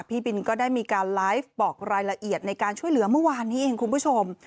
พี่บินก็ได้มีการไลฟ์บอกรายละเอียดในการช่วยเหลือเมื่อวานนี้เองคุณผู้ชม